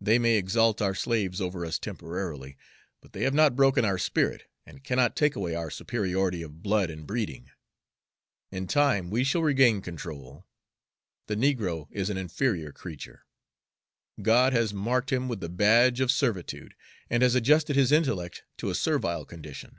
They may exalt our slaves over us temporarily, but they have not broken our spirit, and cannot take away our superiority of blood and breeding. In time we shall regain control. The negro is an inferior creature; God has marked him with the badge of servitude, and has adjusted his intellect to a servile condition.